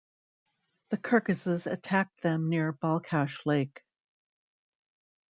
The Kyrgyzs attacked them near Balkhash Lake.